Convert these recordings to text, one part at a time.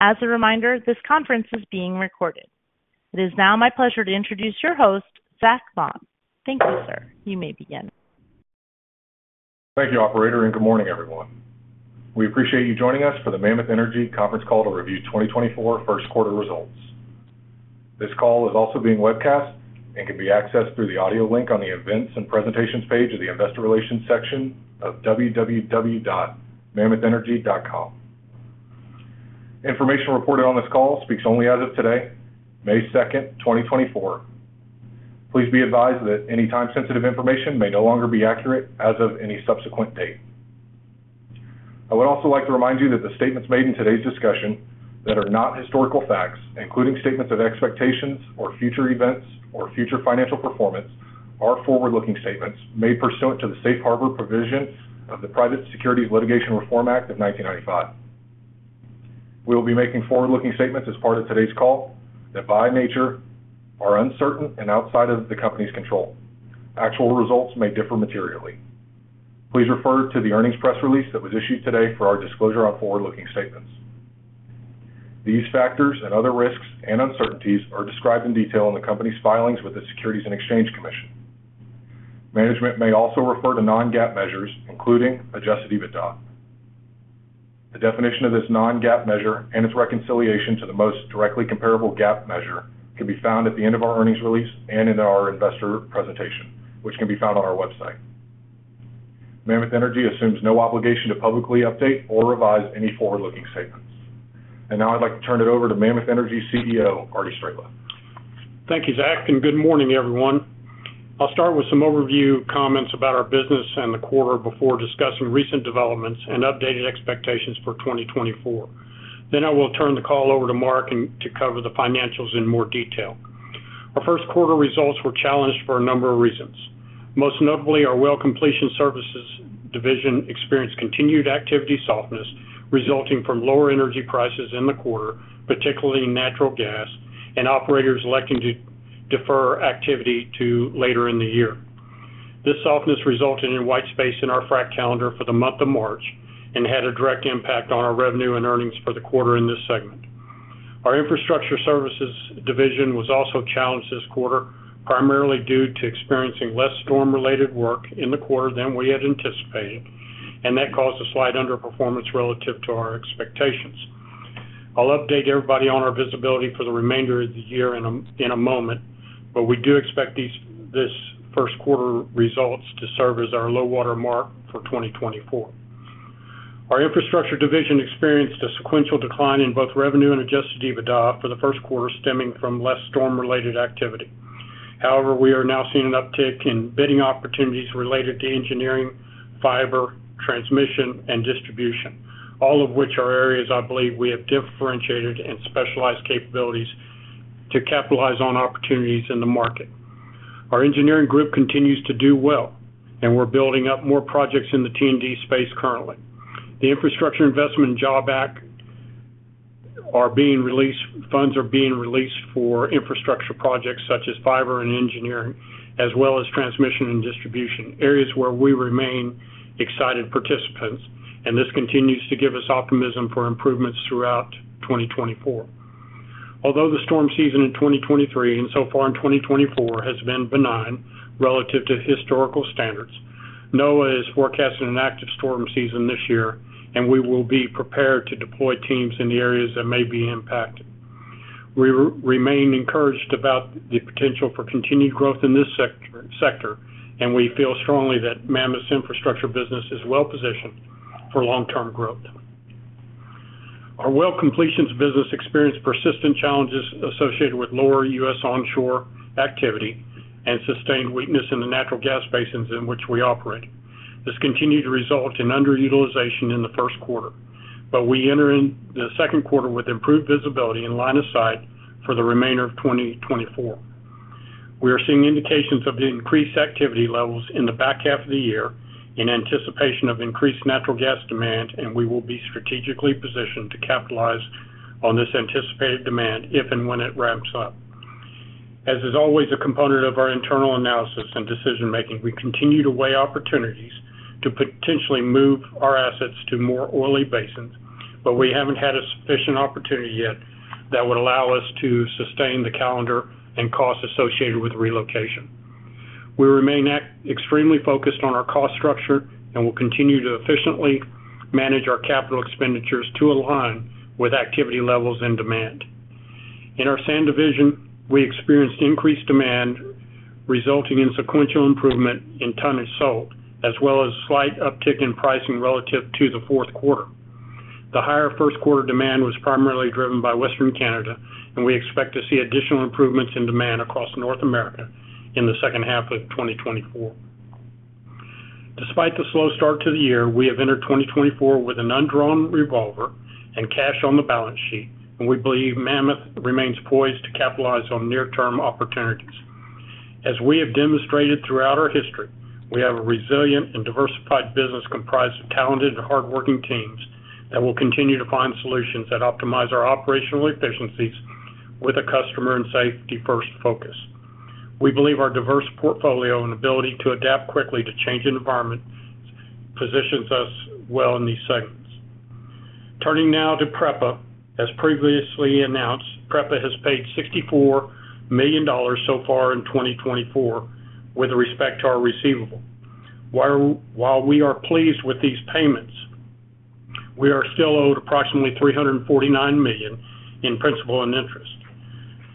As a reminder, this conference is being recorded. It is now my pleasure to introduce your host, Zach Vaughan. Thank you, sir. You may begin. Thank you, operator, and good morning, everyone. We appreciate you joining us for the Mammoth Energy conference call to review 2024 first quarter results. This call is also being webcast and can be accessed through the audio link on the events and presentations page of the investor relations section of www.mammothenergy.com. Information reported on this call speaks only as of today, May 2, 2024. Please be advised that any time-sensitive information may no longer be accurate as of any subsequent date. I would also like to remind you that the statements made in today's discussion that are not historical facts, including statements of expectations or future events or future financial performance, are forward-looking statements made pursuant to the Safe Harbor Provision of the Private Securities Litigation Reform Act of 1995. We will be making forward-looking statements as part of today's call that, by nature, are uncertain and outside of the company's control. Actual results may differ materially. Please refer to the earnings press release that was issued today for our disclosure on forward-looking statements. These factors and other risks and uncertainties are described in detail in the company's filings with the Securities and Exchange Commission. Management may also refer to non-GAAP measures, including adjusted EBITDA. The definition of this non-GAAP measure and its reconciliation to the most directly comparable GAAP measure can be found at the end of our earnings release and in our investor presentation, which can be found on our website. Mammoth Energy assumes no obligation to publicly update or revise any forward-looking statements. Now I'd like to turn it over to Mammoth Energy CEO, Arty Straehla. Thank you, Zach, and good morning, everyone. I'll start with some overview comments about our business and the quarter before discussing recent developments and updated expectations for 2024. Then I will turn the call over to Mark and to cover the financials in more detail. Our first quarter results were challenged for a number of reasons. Most notably, our Well Completion Services Division experienced continued activity softness resulting from lower energy prices in the quarter, particularly natural gas, and operators electing to defer activity to later in the year. This softness resulted in white space in our frac calendar for the month of March and had a direct impact on our revenue and earnings for the quarter in this segment. Our Infrastructure Services Division was also challenged this quarter, primarily due to experiencing less storm-related work in the quarter than we had anticipated, and that caused a slight underperformance relative to our expectations. I'll update everybody on our visibility for the remainder of the year in a moment, but we do expect this first quarter results to serve as our low-water mark for 2024. Our Infrastructure Division experienced a sequential decline in both revenue and adjusted EBITDA for the first quarter stemming from less storm-related activity. However, we are now seeing an uptick in bidding opportunities related to engineering, fiber, transmission, and distribution, all of which are areas I believe we have differentiated and specialized capabilities to capitalize on opportunities in the market. Our engineering group continues to do well, and we're building up more projects in the T&D space currently. The Infrastructure Investment and Jobs Act funds are being released for infrastructure projects such as fiber and engineering, as well as transmission and distribution, areas where we remain excited participants, and this continues to give us optimism for improvements throughout 2024. Although the storm season in 2023 and so far in 2024 has been benign relative to historical standards, NOAA is forecasting an active storm season this year, and we will be prepared to deploy teams in the areas that may be impacted. We remain encouraged about the potential for continued growth in this sector, and we feel strongly that Mammoth's infrastructure business is well-positioned for long-term growth. Our Well Completion business experienced persistent challenges associated with lower U.S. onshore activity and sustained weakness in the natural gas basins in which we operate. This continued to result in underutilization in the first quarter, but we enter the second quarter with improved visibility and line of sight for the remainder of 2024. We are seeing indications of increased activity levels in the back half of the year in anticipation of increased natural gas demand, and we will be strategically positioned to capitalize on this anticipated demand if and when it ramps up. As is always a component of our internal analysis and decision-making, we continue to weigh opportunities to potentially move our assets to more oily basins, but we haven't had a sufficient opportunity yet that would allow us to sustain the calendar and costs associated with relocation. We remain extremely focused on our cost structure and will continue to efficiently manage our capital expenditures to align with activity levels and demand. In our sand division, we experienced increased demand resulting in sequential improvement in tonnage sold, as well as a slight uptick in pricing relative to the fourth quarter. The higher first quarter demand was primarily driven by Western Canada, and we expect to see additional improvements in demand across North America in the second half of 2024. Despite the slow start to the year, we have entered 2024 with an undrawn revolver and cash on the balance sheet, and we believe Mammoth remains poised to capitalize on near-term opportunities. As we have demonstrated throughout our history, we have a resilient and diversified business comprised of talented and hardworking teams that will continue to find solutions that optimize our operational efficiencies with a customer and safety first focus. We believe our diverse portfolio and ability to adapt quickly to changing environments positions us well in these segments. Turning now to PREPA. As previously announced, PREPA has paid $64 million so far in 2024 with respect to our receivable. While we are pleased with these payments, we are still owed approximately $349 million in principal and interest.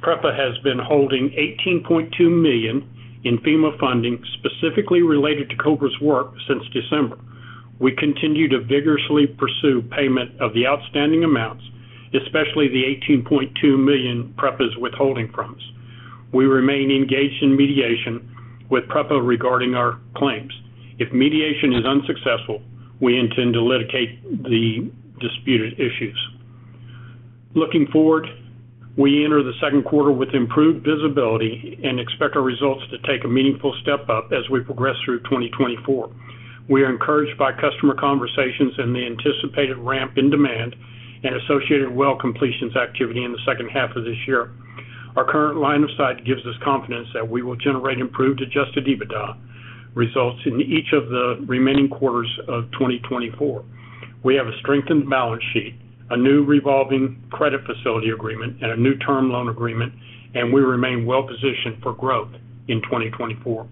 PREPA has been holding $18.2 million in FEMA funding specifically related to Cobra's work since December. We continue to vigorously pursue payment of the outstanding amounts, especially the $18.2 million PREPA is withholding from us. We remain engaged in mediation with PREPA regarding our claims. If mediation is unsuccessful, we intend to litigate the disputed issues. Looking forward, we enter the second quarter with improved visibility and expect our results to take a meaningful step up as we progress through 2024. We are encouraged by customer conversations and the anticipated ramp in demand and associated well completion activity in the second half of this year. Our current line of sight gives us confidence that we will generate improved adjusted EBITDA results in each of the remaining quarters of 2024. We have a strengthened balance sheet, a new revolving credit facility agreement, and a new term loan agreement, and we remain well-positioned for growth in 2024.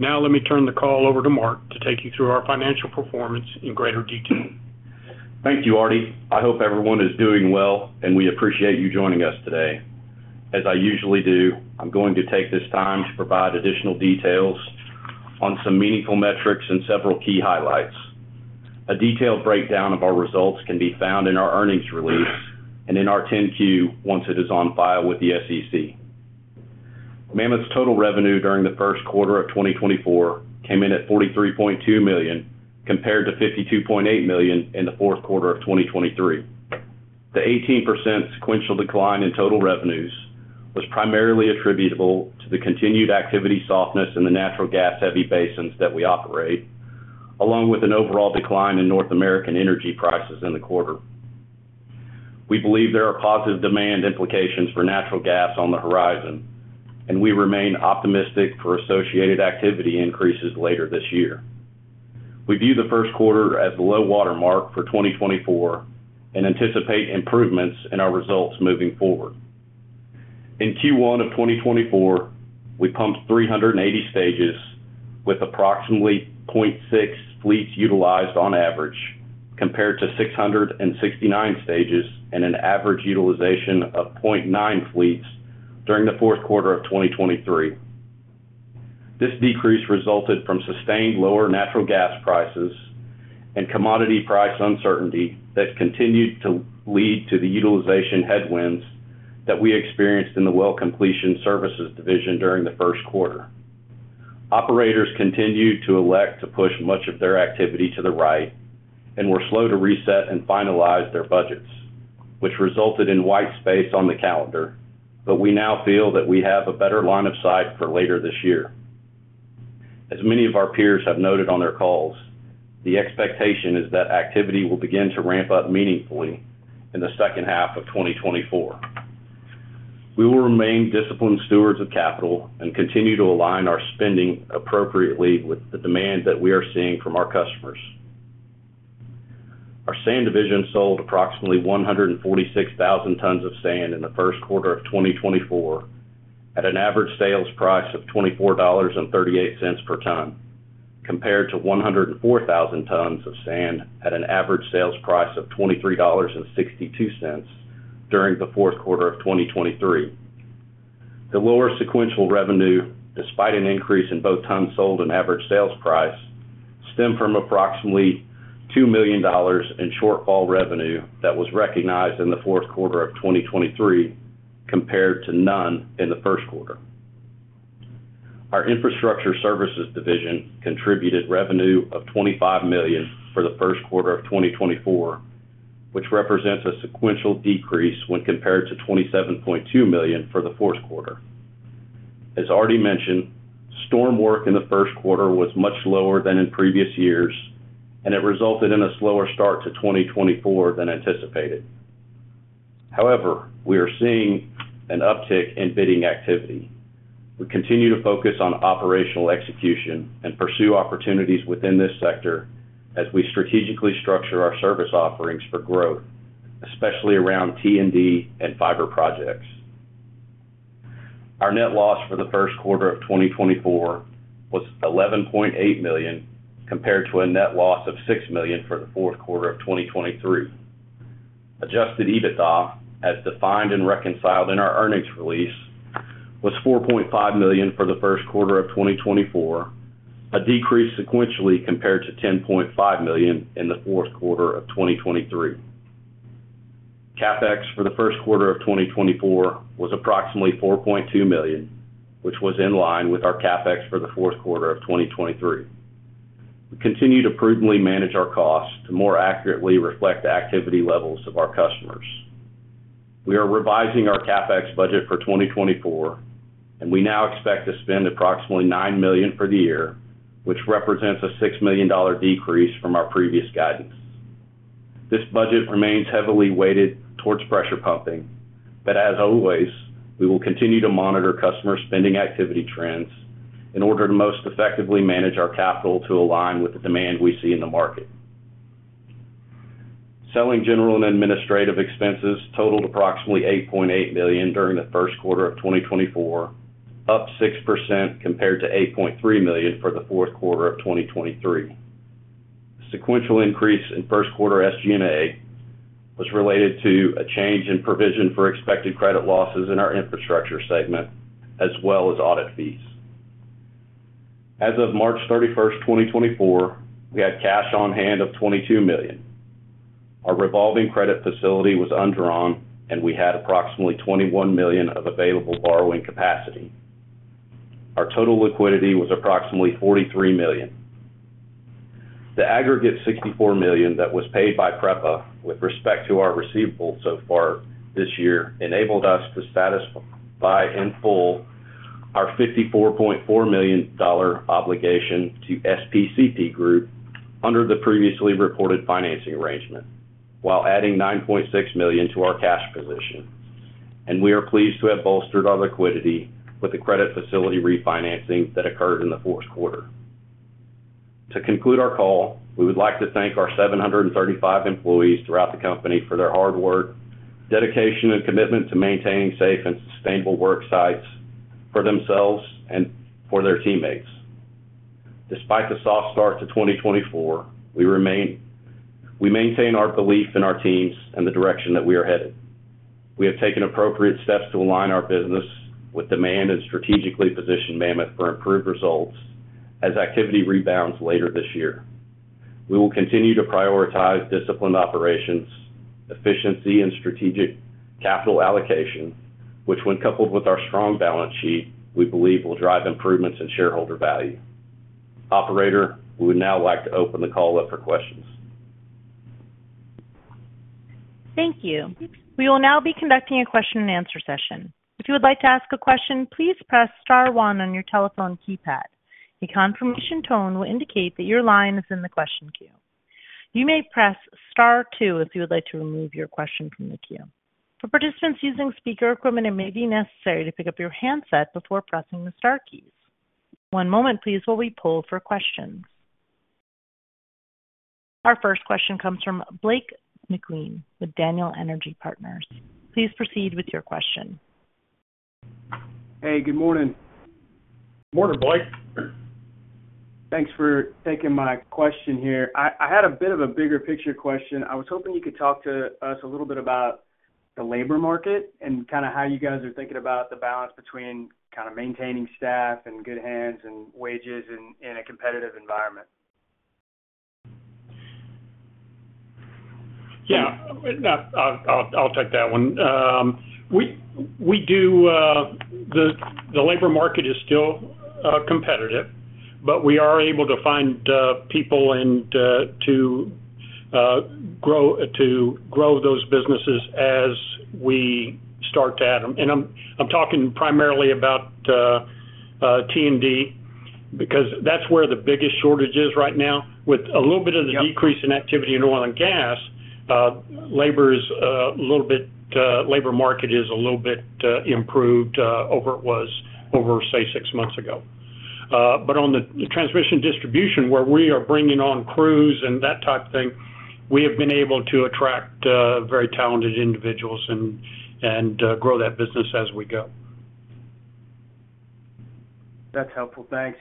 Now, let me turn the call over to Mark to take you through our financial performance in greater detail. Thank you, Arty. I hope everyone is doing well, and we appreciate you joining us today. As I usually do, I'm going to take this time to provide additional details on some meaningful metrics and several key highlights. A detailed breakdown of our results can be found in our earnings release and in our 10-Q once it is on file with the SEC. Mammoth's total revenue during the first quarter of 2024 came in at $43.2 million compared to $52.8 million in the fourth quarter of 2023. The 18% sequential decline in total revenues was primarily attributable to the continued activity softness in the natural gas-heavy basins that we operate, along with an overall decline in North American energy prices in the quarter. We believe there are positive demand implications for natural gas on the horizon, and we remain optimistic for associated activity increases later this year. We view the first quarter as the low-water mark for 2024 and anticipate improvements in our results moving forward. In Q1 of 2024, we pumped 380 stages with approximately 0.6 fleets utilized on average compared to 669 stages and an average utilization of 0.9 fleets during the fourth quarter of 2023. This decrease resulted from sustained lower natural gas prices and commodity price uncertainty that continued to lead to the utilization headwinds that we experienced in the Well Completion Services Division during the first quarter. Operators continue to elect to push much of their activity to the right and were slow to reset and finalize their budgets, which resulted in white space on the calendar, but we now feel that we have a better line of sight for later this year. As many of our peers have noted on their calls, the expectation is that activity will begin to ramp up meaningfully in the second half of 2024. We will remain disciplined stewards of capital and continue to align our spending appropriately with the demand that we are seeing from our customers. Our sand division sold approximately 146,000 tons of sand in the first quarter of 2024 at an average sales price of $24.38 per ton compared to 104,000 tons of sand at an average sales price of $23.62 during the fourth quarter of 2023. The lower sequential revenue, despite an increase in both tons sold and average sales price, stemmed from approximately $2 million in shortfall revenue that was recognized in the fourth quarter of 2023 compared to none in the first quarter. Our Infrastructure Services Division contributed revenue of $25 million for the first quarter of 2024, which represents a sequential decrease when compared to $27.2 million for the fourth quarter. As Arty mentioned, storm work in the first quarter was much lower than in previous years, and it resulted in a slower start to 2024 than anticipated. However, we are seeing an uptick in bidding activity. We continue to focus on operational execution and pursue opportunities within this sector as we strategically structure our service offerings for growth, especially around T&D and fiber projects. Our net loss for the first quarter of 2024 was $11.8 million compared to a net loss of $6 million for the fourth quarter of 2023. Adjusted EBITDA, as defined and reconciled in our earnings release, was $4.5 million for the first quarter of 2024, a decrease sequentially compared to $10.5 million in the fourth quarter of 2023. CapEx for the first quarter of 2024 was approximately $4.2 million, which was in line with our CapEx for the fourth quarter of 2023. We continue to prudently manage our costs to more accurately reflect the activity levels of our customers. We are revising our CapEx budget for 2024, and we now expect to spend approximately $9 million for the year, which represents a $6 million decrease from our previous guidance. This budget remains heavily weighted towards pressure pumping, but as always, we will continue to monitor customer spending activity trends in order to most effectively manage our capital to align with the demand we see in the market. Selling, general, and administrative expenses totaled approximately $8.8 million during the first quarter of 2024, up 6% compared to $8.3 million for the fourth quarter of 2023. The sequential increase in first quarter SG&A was related to a change in provision for expected credit losses in our infrastructure segment, as well as audit fees. As of March 31st, 2024, we had cash on hand of $22 million. Our revolving credit facility was undrawn, and we had approximately $21 million of available borrowing capacity. Our total liquidity was approximately $43 million. The aggregate $64 million that was paid by PREPA with respect to our receivables so far this year enabled us to satisfy in full our $54.4 million obligation to SPCP Group under the previously reported financing arrangement while adding $9.6 million to our cash position, and we are pleased to have bolstered our liquidity with the credit facility refinancing that occurred in the fourth quarter. To conclude our call, we would like to thank our 735 employees throughout the company for their hard work, dedication, and commitment to maintaining safe and sustainable worksites for themselves and for their teammates. Despite the soft start to 2024, we maintain our belief in our teams and the direction that we are headed. We have taken appropriate steps to align our business with demand and strategically position Mammoth for improved results as activity rebounds later this year. We will continue to prioritize disciplined operations, efficiency, and strategic capital allocation, which, when coupled with our strong balance sheet, we believe will drive improvements in shareholder value. Operator, we would now like to open the call up for questions. Thank you. We will now be conducting a question-and-answer session. If you would like to ask a question, please press star one on your telephone keypad. A confirmation tone will indicate that your line is in the question queue. You may press star two if you would like to remove your question from the queue. For participants using speaker equipment, it may be necessary to pick up your handset before pressing the star keys. One moment, please, while we pull for questions. Our first question comes from Blake McLean with Daniel Energy Partners. Please proceed with your question. Hey, good morning. Morning, Blake. Thanks for taking my question here. I had a bit of a bigger picture question. I was hoping you could talk to us a little bit about the labor market and kind of how you guys are thinking about the balance between kind of maintaining staff and good hands and wages in a competitive environment. Yeah. I'll take that one. The labor market is still competitive, but we are able to find people to grow those businesses as we start to add them. And I'm talking primarily about T&D because that's where the biggest shortage is right now. With a little bit of the decrease in activity in oil and gas, the labor market is a little bit improved over, say, six months ago. But on the transmission distribution, where we are bringing on crews and that type of thing, we have been able to attract very talented individuals and grow that business as we go. That's helpful. Thanks.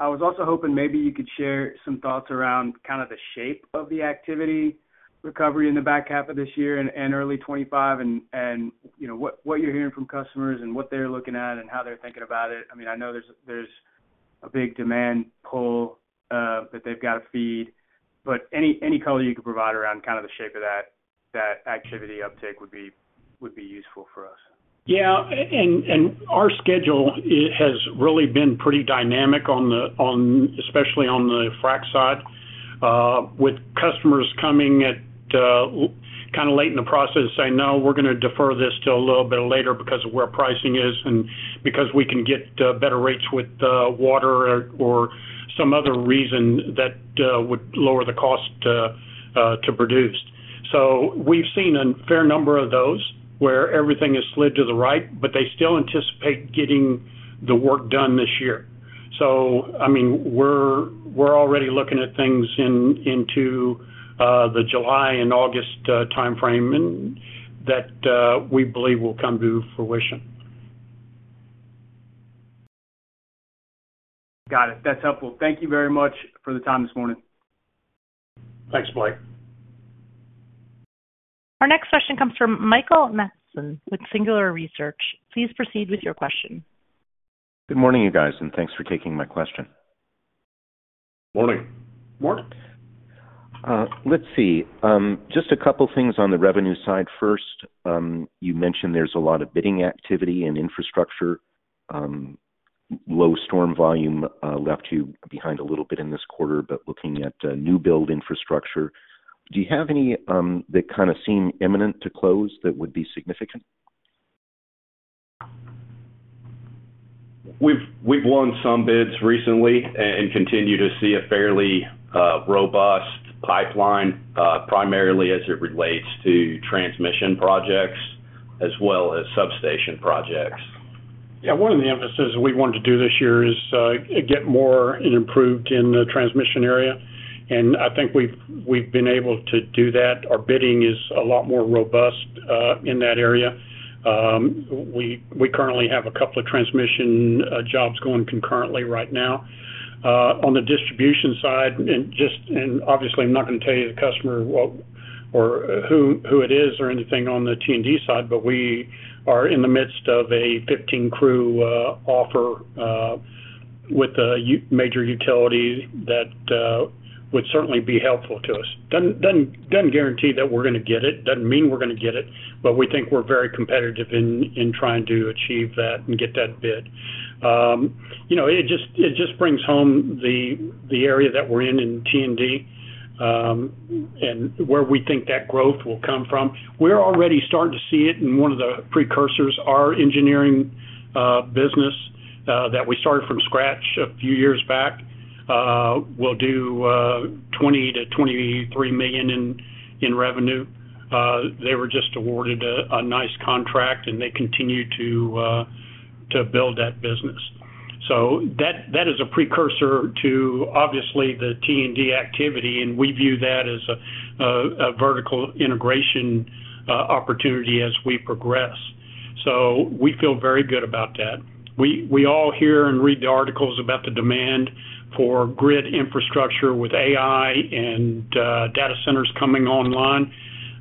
I was also hoping maybe you could share some thoughts around kind of the shape of the activity recovery in the back half of this year and early 2025 and what you're hearing from customers and what they're looking at and how they're thinking about it. I mean, I know there's a big demand pull that they've got to feed, but any color you could provide around kind of the shape of that activity uptake would be useful for us. Yeah. And our schedule has really been pretty dynamic, especially on the frac side, with customers coming kind of late in the process saying, "No, we're going to defer this till a little bit later because of where pricing is and because we can get better rates with water or some other reason that would lower the cost to produce." So we've seen a fair number of those where everything has slid to the right, but they still anticipate getting the work done this year. So, I mean, we're already looking at things into the July and August timeframe that we believe will come to fruition. Got it. That's helpful. Thank you very much for the time this morning. Thanks, Blake. Our next question comes from Michael Mathison with Singular Research. Please proceed with your question. Good morning, you guys, and thanks for taking my question. Morning. Morning. Let's see. Just a couple of things on the revenue side first. You mentioned there's a lot of bidding activity in infrastructure. Low storm volume left you behind a little bit in this quarter, but looking at new build infrastructure, do you have any that kind of seem imminent to close that would be significant? We've won some bids recently and continue to see a fairly robust pipeline, primarily as it relates to transmission projects as well as substation projects. Yeah. One of the emphases we wanted to do this year is get more and improved in the transmission area. And I think we've been able to do that. Our bidding is a lot more robust in that area. We currently have a couple of transmission jobs going concurrently right now. On the distribution side, and obviously, I'm not going to tell you the customer or who it is or anything on the T&D side, but we are in the midst of a 15-crew offer with a major utility that would certainly be helpful to us. Doesn't guarantee that we're going to get it. Doesn't mean we're going to get it, but we think we're very competitive in trying to achieve that and get that bid. It just brings home the area that we're in in T&D and where we think that growth will come from. We're already starting to see it, and one of the precursors, our engineering business that we started from scratch a few years back, will do $20 million-$23 million in revenue. They were just awarded a nice contract, and they continue to build that business. So that is a precursor to, obviously, the T&D activity, and we view that as a vertical integration opportunity as we progress. So we feel very good about that. We all hear and read the articles about the demand for grid infrastructure with AI and data centers coming online.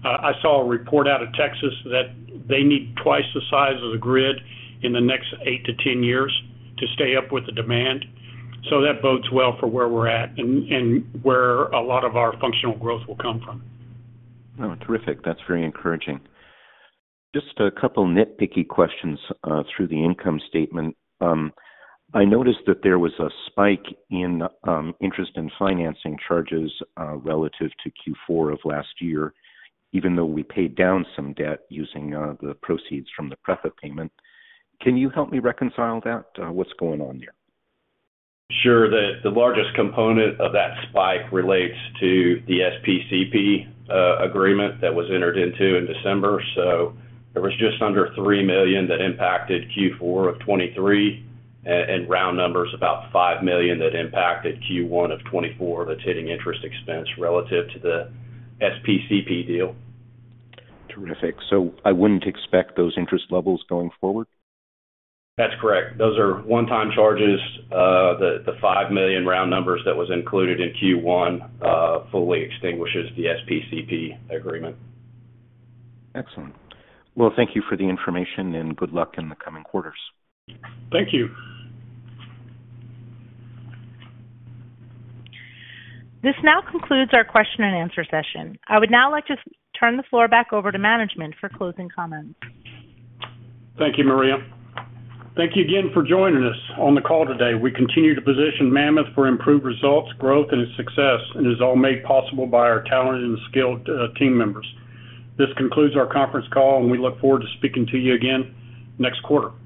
I saw a report out of Texas that they need twice the size of the grid in the next eight to 10 years to stay up with the demand. So that bodes well for where we're at and where a lot of our functional growth will come from. Terrific. That's very encouraging. Just a couple nitpicky questions through the income statement. I noticed that there was a spike in interest and financing charges relative to Q4 of last year, even though we paid down some debt using the proceeds from the PREPA payment. Can you help me reconcile that? What's going on there? Sure. The largest component of that spike relates to the SPCP agreement that was entered into in December. So it was just under $3 million that impacted Q4 of 2023 and round numbers, about $5 million that impacted Q1 of 2024 that's hitting interest expense relative to the SPCP deal. Terrific. So I wouldn't expect those interest levels going forward? That's correct. Those are one-time charges. The $5 million round numbers that was included in Q1 fully extinguishes the SPCP agreement. Excellent. Well, thank you for the information, and good luck in the coming quarters. Thank you. This now concludes our question-and-answer session. I would now like to turn the floor back over to management for closing comments. Thank you, Maria. Thank you again for joining us on the call today. We continue to position Mammoth for improved results, growth, and its success, and it is all made possible by our talented and skilled team members. This concludes our conference call, and we look forward to speaking to you again next quarter.